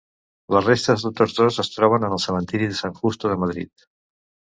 Les restes de tots dos es troben en el cementiri de San Justo de Madrid.